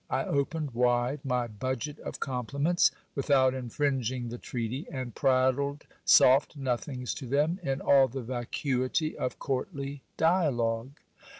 I opened wide my budget of compliments, without infringing the treaty, and prattled soft nothings to them, in all the vacuity of courtly dia logue.